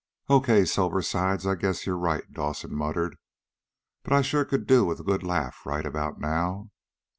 "Okay, sober sides, I guess you're right," Dawson muttered. "But I sure could do with a good laugh, right about now.